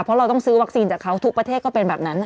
เพราะเราต้องซื้อวัคซีนจากเขาทุกประเทศก็เป็นแบบนั้น